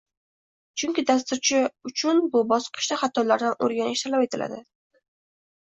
Chunki dasturchi uchun bu bosqichda xatolardan o’rganish talab etiladi